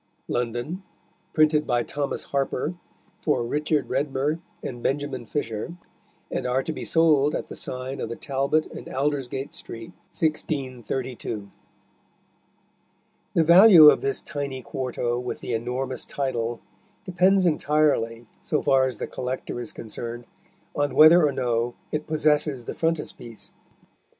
London, Printed by Thomas Harper, for Richard Redmer and Benjamin Fisher, and are to be sold at the signe of the Talbot in Alders gate street. MDCXXXII_. The value of this tiny quarto with the enormous title depends entirely, so far as the collector is concerned, on whether or no it possesses the frontispiece.